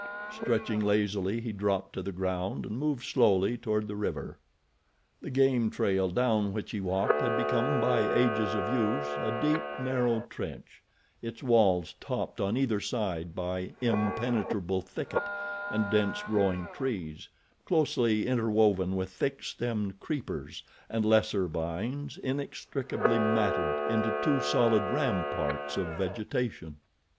Stretching lazily he dropped to the ground and moved slowly toward the river. The game trail down which he walked had become by ages of use a deep, narrow trench, its walls topped on either side by impenetrable thicket and dense growing trees closely interwoven with thick stemmed creepers and lesser vines inextricably matted into two solid ramparts of vegetation.